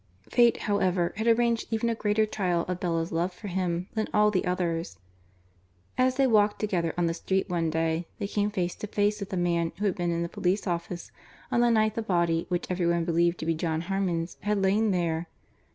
Fate, however, had arranged even a greater trial of Bella's love for him than all the others. As they walked together on the street one day, they came face to face with a man who had been in the police office on the night the body which every one believed to be John Harmon's had lain there.